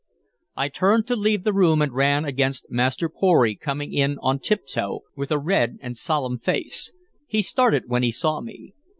I turned to leave the room, and ran against Master Pory coming in on tiptoe, with a red and solemn face. He started when he saw me.